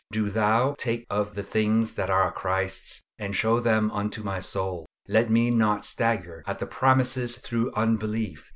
do Thou take of the things that are Christ's and show them unto my soul. Let me not stagger at the promises through unbelief.